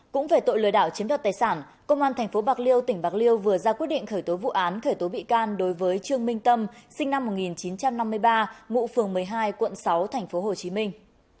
cũng về tội lừa đảo chiếm đoạt tài sản công an tp bạc liêu tỉnh bạc liêu vừa ra quyết định khởi tố vụ án khởi tố bị can đối với trương minh tâm sinh năm một nghìn chín trăm năm mươi ba ngụ phường một mươi hai quận sáu tp hcm